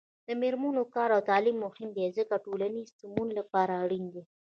د میرمنو کار او تعلیم مهم دی ځکه چې ټولنې سمون لپاره اړین دی.